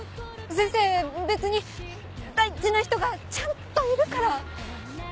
先生別に大事な人がちゃんといるから！